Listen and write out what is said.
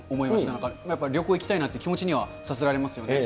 なんか、旅行行きたいなという気持ちにはさせられますよね。